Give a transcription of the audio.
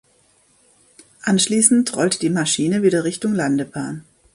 Anschließend rollte die Maschine wieder Richtung Landebahn.